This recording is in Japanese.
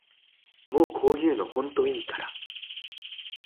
もうこういうのほんといいから